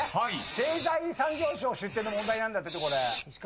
経済産業省出典の問題なんだってこれ。